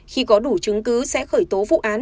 khi có đủ chứng cứ sẽ khởi tố vụ án